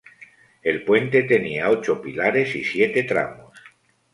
El puente tenía ocho pilares y siete tramos.